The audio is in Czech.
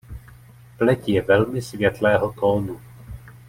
Pleť je velmi světlého tónu.